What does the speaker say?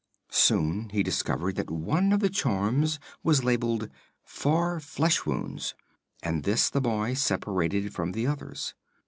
Soon he discovered that one of the charms was labelled: "For flesh wounds," and this the boy separated from the others.